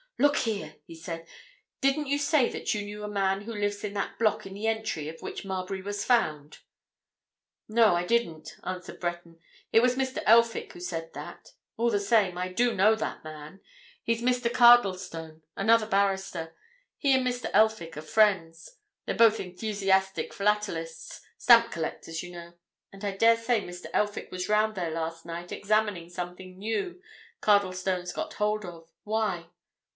"Look here!" he said. "Didn't you say that you knew a man who lives in that block in the entry of which Marbury was found?" "No, I didn't," answered Breton. "It was Mr. Elphick who said that. All the same, I do know that man—he's Mr. Cardlestone, another barrister. He and Mr. Elphick are friends—they're both enthusiastic philatelists—stamp collectors, you know—and I dare say Mr. Elphick was round there last night examining something new Cardlestone's got hold of. Why?"